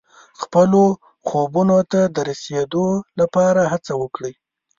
خپلو خوبونو ته د رسیدو لپاره هڅه وکړئ.